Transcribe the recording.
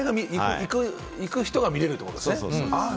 行く人が見れるってことですね。